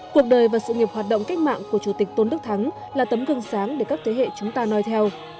cuộc đời và sự nghiệp hoạt động cách mạng của chủ tịch tôn đức thắng là tấm gương sáng để các thế hệ chúng ta nói theo